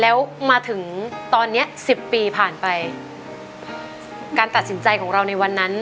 แล้วมาถึงตอนเนี้ยสิบปีผ่านไปการตัดสินใจของเราในวันนั้น